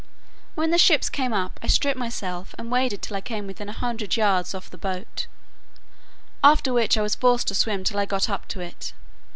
When the ships came up, I stripped myself, and waded till I came within a hundred yards of the boat, after which I was forced to swim till I got up to it.